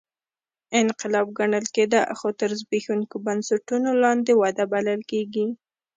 انقلاب ګڼل کېده خو تر زبېښونکو بنسټونو لاندې وده بلل کېږي